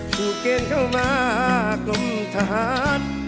ถูกเกรงเข้ามากลมทหาร